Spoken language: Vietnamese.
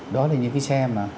đó là những cái xe mà